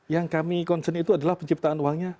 yang kami concern itu adalah penciptaan uangnya